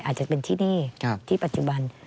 อาจจะเป็นที่นี่ที่ปัจจุบัน